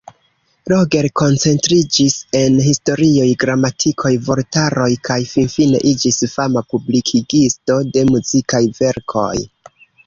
Roger koncentriĝis en historioj, gramatikoj, vortaroj kaj finfine iĝis fama publikigisto de muzikaj verkoj.